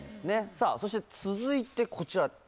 さぁそして続いてこちら。